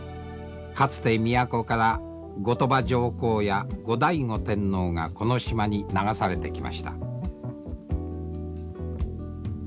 かつて都から後鳥羽上皇や後醍醐天皇がこの島に流されてきました。